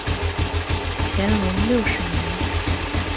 乾隆六十年。